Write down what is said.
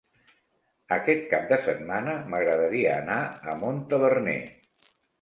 Aquest cap de setmana m'agradaria anar a Montaverner.